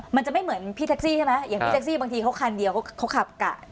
มันจะไม่เหมือนพี่แท็กซี่ใช่ไหมอย่างพี่แท็กซี่บางทีเขาคันเดียวเขาขับกะ